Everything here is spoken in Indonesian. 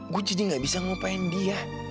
gue jadi gak bisa ngupain dia